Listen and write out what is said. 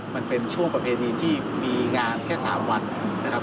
มันเป็นช่วงประเพณีที่มีงานแค่๓วันนะครับ